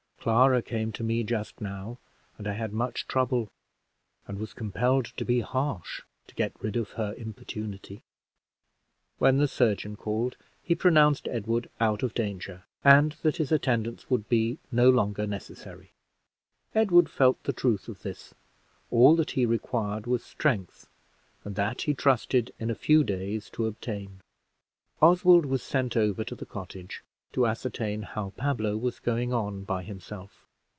Clara came to me just now, and I had much trouble, and was compelled to be harsh, to get rid of her importunity." When the surgeon called, he pronounced Edward out of danger, and that his attendance would be no longer necessary. Edward felt the truth of this. All that he required was strength; and that he trusted in a few days to obtain. Oswald was sent over to the cottage, to ascertain how Pablo was going on by himself.